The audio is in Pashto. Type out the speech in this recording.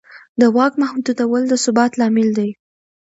د واک محدودول د ثبات لامل دی